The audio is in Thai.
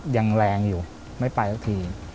ยังแรงอยู่ไม่ไปสักที